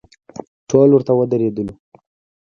ټول ورته ودریدو.